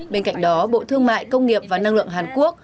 bên cạnh đó bộ thương mại công nghiệp và năng lượng hàn quốc